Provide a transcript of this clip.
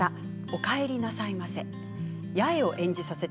お帰りなさいませ。